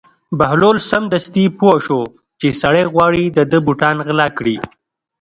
بهلول سمدستي پوه شو چې سړی غواړي د ده بوټان غلا کړي.